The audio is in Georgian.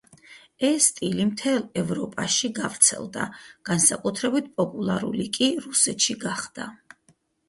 ეს სტილი მთელ ევროპაში გავრცელდა, განსაკუთრებით პოპულარული კი რუსეთში გახდა.